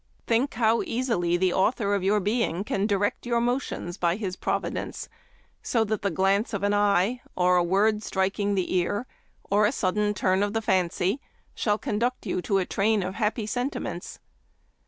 Think how easily the Author of your being can direct your motions by his provi dence so that the glance of an eye, or a word striking the ear, or a sudden turn of the fancy, shall conduct you to a train of happy senti ments.